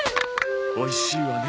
おいしいわね。